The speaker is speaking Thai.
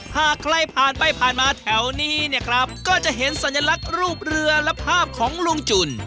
หากใครผ่านไปผ่านมาแถวนี้เนี่ยครับก็จะเห็นสัญลักษณ์รูปเรือและภาพของลุงจุ่น